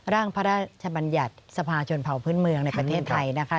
ร่างพระราชบัญญัติสภาชนเผาพื้นเมืองในประเทศไทยนะคะ